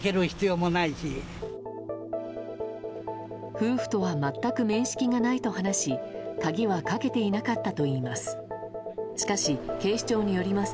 夫婦とは全く面識がないと話し鍵はかけていなかったといいます。